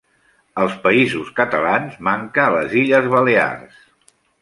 Als Països Catalans manca a les Illes Balears.